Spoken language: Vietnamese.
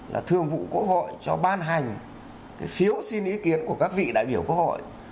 là thương vụ quốc hội cho ban hành phiếu xin ý kiến của các vị đại biểu quốc hội